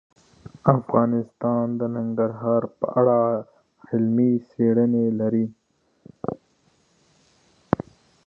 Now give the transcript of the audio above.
افغانستان د ننګرهار په اړه علمي څېړنې لري.